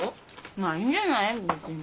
まあいいんじゃない別に。